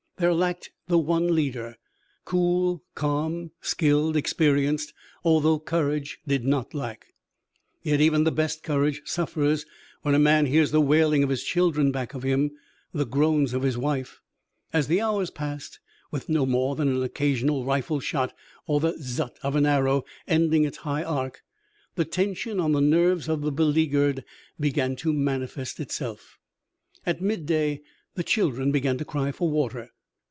There lacked the one leader, cool, calm, skilled, experienced, although courage did not lack. Yet even the best courage suffers when a man hears the wailing of his children back of him, the groans of his wife. As the hours passed, with no more than an occasional rifle shot or the zhut! of an arrow ending its high arc, the tension on the nerves of the beleaguered began to manifest itself. At midday the children began to cry for water.